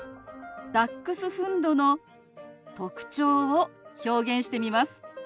ダックスフンドの特徴を表現してみます。